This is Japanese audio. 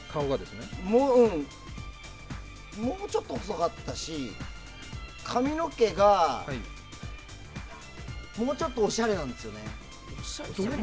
うん、もうちょっと細かったし髪の毛が、もうちょっとおしゃれなんですよね。